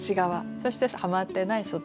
そしてはまってない外側。